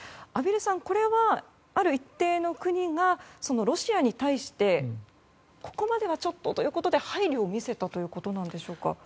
畔蒜さん、これはある一定の国がロシアに対してここまではちょっとということで配慮を見せたということなんでしょうか？